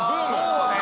そうね。